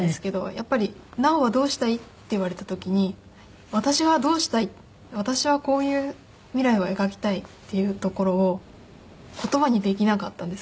やっぱり「奈緒はどうしたい？」って言われた時に私はどうしたい私はこういう未来を描きたいっていうところを言葉にできなかったんです。